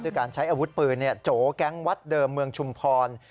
การใช้อาวุธปืนโจแก๊งวัดเดิมเมืองชุมพร